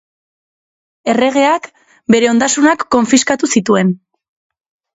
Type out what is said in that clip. Erregeak bere ondasunak konfiskatu zituen.